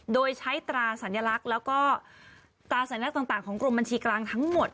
โดยใช้ตราสัญลักษณ์แล้วก็ตราสัญลักษณ์ต่างของกรมบัญชีกลางทั้งหมด